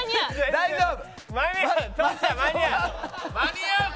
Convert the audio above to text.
大丈夫。